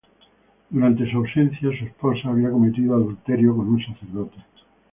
Durante su ausencia, su esposa había cometido adulterio con un sacerdote.